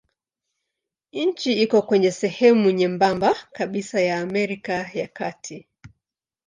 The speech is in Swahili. Nchi iko kwenye sehemu nyembamba kabisa ya Amerika ya Kati.